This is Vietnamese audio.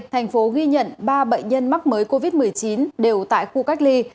thành phố ghi nhận ba bệnh nhân mắc mới covid một mươi chín đều tại khu cách ly